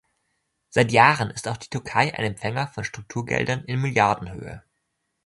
Seit Jahren ist auch die Türkei ein Empfänger von Strukturgeldern in Milliardenhöhe.